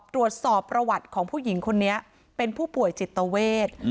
ตรวจสอบประวัติของผู้หญิงคนนี้เป็นผู้ป่วยจิตเวท